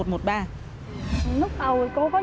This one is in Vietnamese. lúc đầu cô có nhờ em